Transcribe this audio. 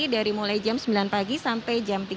dari mulai jam sembilan pagi sampai jam tiga